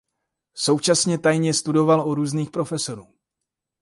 Současně tajně studoval u různých profesorů.